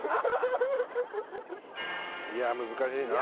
いや難しいな。